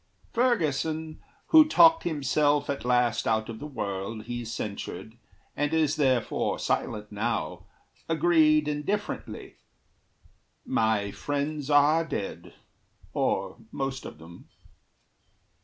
Ferguson, Who talked himself at last out of the world He censured, and is therefore silent now, Agreed indifferently: "My friends are dead Or most of them."